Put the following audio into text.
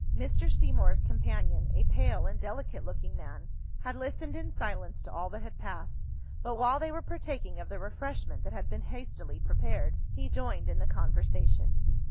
Mr. Seymour's companion, a pale and delicate looking man, had listened in silence to all that had passed, but while they were partaking of the refreshment that had been hastily prepared, he joined in the conversation.